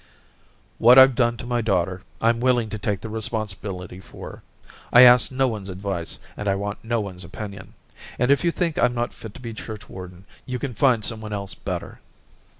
* What I Ve done to my daughter, I 'm willing to take the responsibility for ; I ask no one's advice and I want no one's opinion ; and if you think I'm not fit to be church warden you can find someone else better.'